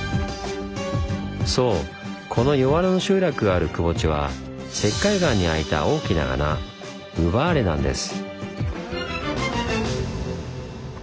そうこの江原の集落があるくぼ地は石灰岩に開いた大きな穴ウバーレなんです。